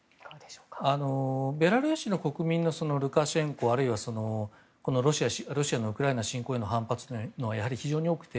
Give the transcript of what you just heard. ベラルーシの国民のルカシェンコあるいはロシアのウクライナ侵攻への反発はやはり、非常に多くて。